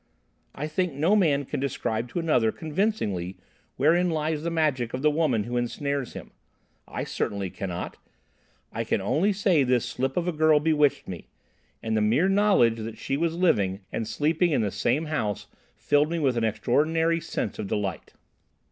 "I think no man can describe to another convincingly wherein lies the magic of the woman who ensnares him. I certainly cannot. I can only say this slip of a girl bewitched me, and the mere knowledge that she was living and sleeping in the same house filled me with an extraordinary sense of delight.